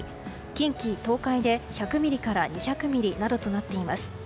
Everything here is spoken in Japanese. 近畿・東海で１００ミリから２００ミリなどとなっています。